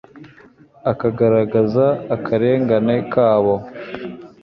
akagaragaza akarengane kabo